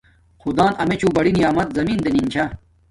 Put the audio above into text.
خدان امیچوں بڑی نعمیت زمین دنین چھا